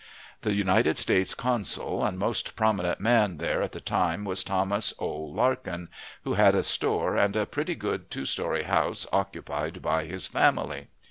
The United States consul, and most prominent man there at the time, was Thomas O. Larkin, who had a store and a pretty good two story house occupied by his family.